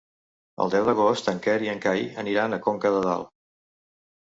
El deu d'agost en Quer i en Cai aniran a Conca de Dalt.